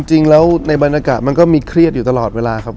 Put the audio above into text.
จริงแล้วในบรรยากาศมันก็มีเครียดอยู่ตลอดเวลาครับ